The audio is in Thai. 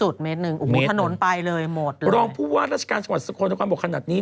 โอ้โหถนนไปเลยหมดเลยบรองพูดว่าราชการจังหวัดสุขคลในความบอกขนาดนี้